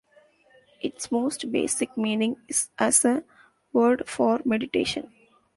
Its most basic meaning is as a word for meditation.